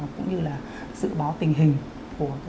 cũng như là dự báo tình hình của phục vụ nhân dân